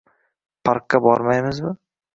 Parkka bormaymizmi?